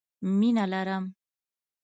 مينه لرم